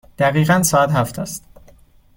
دقیقاً ساعت هفت است.